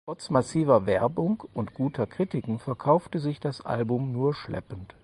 Trotz massiver Werbung und guter Kritiken verkaufte sich das Album nur schleppend.